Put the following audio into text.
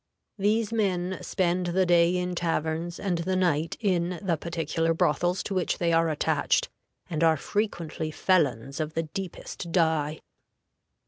These men spend the day in taverns, and the night in the particular brothels to which they are attached, and are frequently felons of the deepest dye.